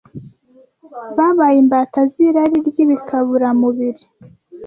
Babaye imbata z’irari ry’ibikaburamubiri